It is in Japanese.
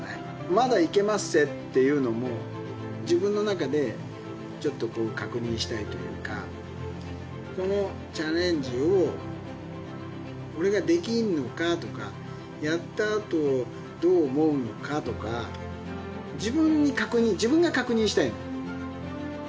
まだいけまっせというのも、自分の中でちょっと確認したいというか、このチャレンジを俺ができるのかとか、やったあと、どう思うのかとか、自分に確認、自分が確認したいのよ。